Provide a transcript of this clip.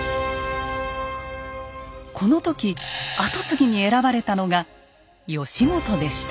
この時跡継ぎに選ばれたのが義元でした。